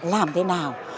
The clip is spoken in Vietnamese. làm thế nào